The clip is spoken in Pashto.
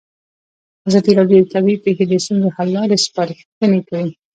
ازادي راډیو د طبیعي پېښې د ستونزو حل لارې سپارښتنې کړي.